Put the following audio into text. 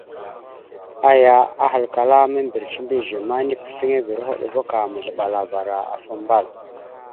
Aya ahalkala ya: « Membireca mbiyez ma, tepefiŋirava hoɗ ava ka mazləlavaba afa ambal a. ».